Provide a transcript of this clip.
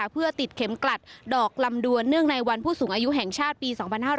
เพื่อติดเข็มกลัดดอกลำดวนเนื่องในวันผู้สูงอายุแห่งชาติปี๒๕๕๙